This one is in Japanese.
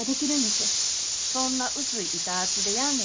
そんな薄い板厚でやんね